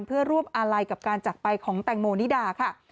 เพื่อร่วมอาลัยกับการจักรไปของแตงโมนิดาค่ะ